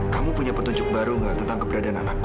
kamu punya petunjuk baru nggak tentang keberadaan anakku